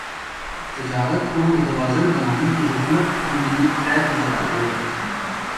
تجارت کو متوازن بنانے کی حکمت عملی طے کی جارہی ہے